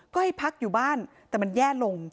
ก็ให้พักอยู่บ้านแต่มันแย่ลง